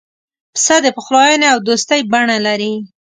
پسه د پخلاینې او دوستی بڼه لري.